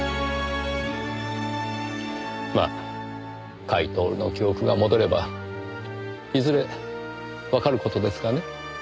まあ甲斐享の記憶が戻ればいずれわかる事ですがね。